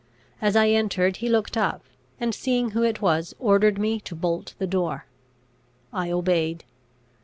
As I entered he looked up, and, seeing who it was, ordered me to bolt the door. I obeyed.